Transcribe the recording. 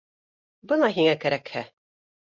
Бына һиңә кәрәкһә